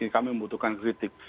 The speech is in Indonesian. kami membutuhkan kritik